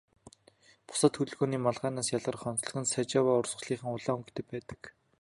Бусад хөлгөний малгайнаас ялгарах онцлог нь Сажава урсгалынх улаан өнгөтэй байдаг.